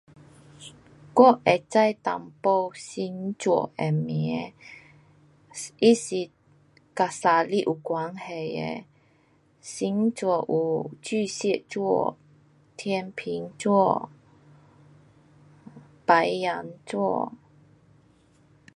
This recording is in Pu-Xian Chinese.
我知道一点是星座的名，它是跟生日有关系的。星座有巨蟹座，天枰座，白羊座。